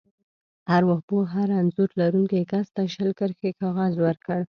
ارواپوه هر انځور لرونکي کس ته شل کرښې کاغذ ورکړ.